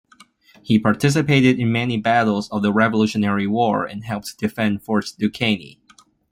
He participated in many battles of the Revolutionary War and helped defend Fort Duquesne.